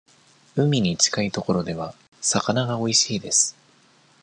海に近いところでは、魚がおいしいです。